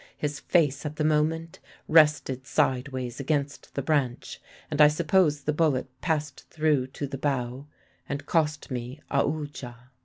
His face at the moment rested sideways against the branch, and I suppose the bullet passed through to the bough and cost me Aoodya.